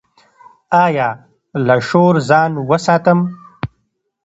ایا له شور ځان وساتم؟